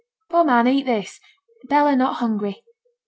'Poor man, eat this; Bella not hungry.'